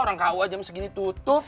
orang kaw aja jam segini tutup